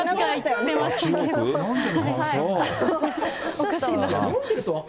おかしいな。